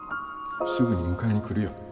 すぐに迎えに来るよ。